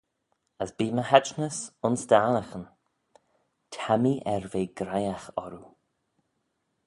As bee my haitnys ayns dt'annaghyn: ta mee er ve graihagh orroo.